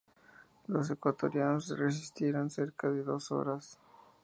Los ecuatorianos resistieron cerca de dos horas.